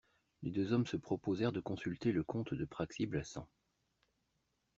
Les deux hommes se proposèrent de consulter le comte de Praxi-Blassans.